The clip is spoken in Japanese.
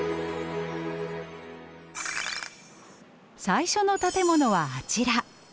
最初の建物はあちら。